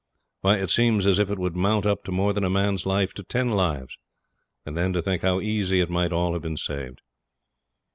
Why, it seems as if it would mount up to more than a man's life to ten lives and then to think how easy it might all have been saved.